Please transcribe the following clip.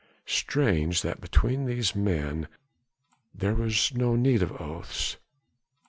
Strange that between these men there was no need of oaths.